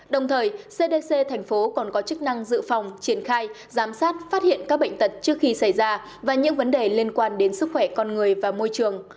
đồng thời cdc thành phố còn có chức năng dự phòng triển khai giám sát phát hiện các bệnh tật trước khi xảy ra và những vấn đề liên quan đến sức khỏe con người và môi trường